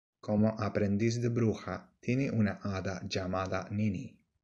Como aprendiz de bruja tiene una hada llamada Nini.